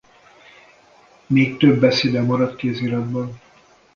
Még több beszéde maradt kéziratban.